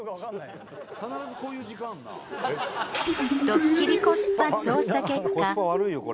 ドッキリコスパ調査結果。